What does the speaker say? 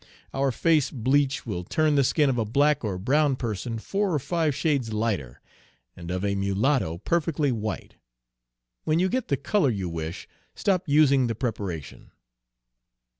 Our face bleach will turn the skin of a black or brown person four or five shades lighter, and of a mulatto perfectly white. When you get the color you wish, stop using the preparation.'